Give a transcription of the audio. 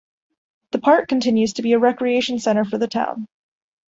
The park continues to be a recreation center for the town.